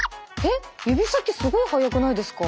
指先すごい早くないですか？